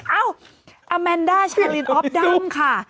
เอ้าอาแมนด้าแชลินออฟดัมค่ะ